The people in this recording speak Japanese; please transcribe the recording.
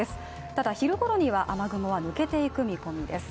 ただ昼頃には雨雲は抜けていく見込みです。